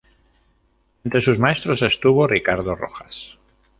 Entre sus maestros estuvo Ricardo Rojas.